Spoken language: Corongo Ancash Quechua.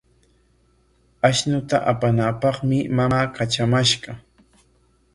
Ashnuta apanaapaqmi mamaa katramashqa.